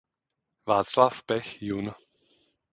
Václav Pech jun.